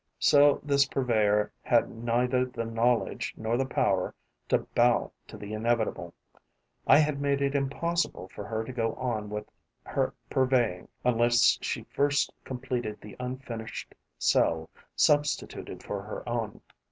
So this purveyor had neither the knowledge nor the power to bow to the inevitable. I had made it impossible for her to go on with her purveying, unless she first completed the unfinished cell substituted for her own.